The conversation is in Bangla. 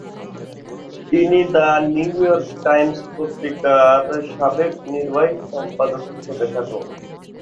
তিনি দ্য নিউ ইয়র্ক টাইমস পত্রিকার সাবেক নির্বাহী সম্পাদক হিসেবে খ্যাত।